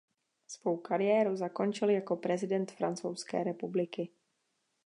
Svou kariéru zakončil jako prezident Francouzské republiky.